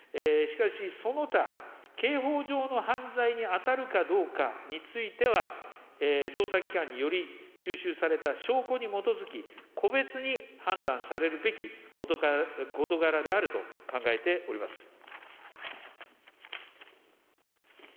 しかし、その他、刑法上の犯罪に当たるかどうかについては、捜査機関により、収集された証拠に基づき、個別に判断されるべき事柄であると考えております。